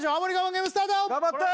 ゲームスタート頑張って！